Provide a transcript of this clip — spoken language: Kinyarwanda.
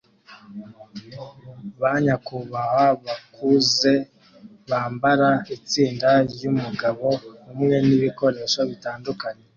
Ba nyakubahwa bakuze bambara itsinda ryumugabo umwe nibikoresho bitandukanye